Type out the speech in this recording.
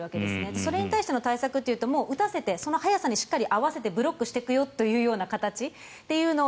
それに対しての対策というともう打たせてその速さにしっかり合わせてブロックしていくよという形というのを